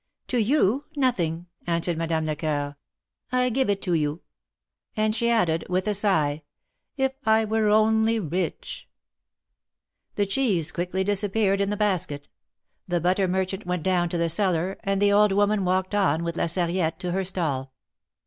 "To you, nothing," answered Madame Lecoeur. "I give it to you," and she added, with a sigh :" If I were only rich !" The cheese quickly disappeared in the basket; the butter merchant went down to the cellar, and the old woman walked on with La Sarriette to her stall.